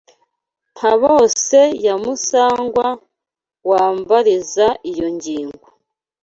Mpabose ya Musangwa wambariza iyo ngingo